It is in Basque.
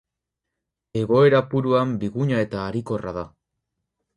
Egoera puruan biguna eta harikorra da.